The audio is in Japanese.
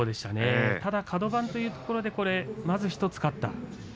ただカド番ということでまず１つ勝った。